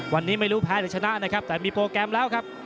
วันนี้ไม่รู้แพ้หรือชนะนะครับแต่มีโปรแกรมแล้วครับ